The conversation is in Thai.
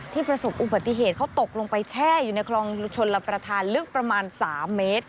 ประสบอุบัติเหตุเขาตกลงไปแช่อยู่ในคลองชนรับประทานลึกประมาณ๓เมตร